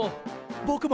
ぼくも！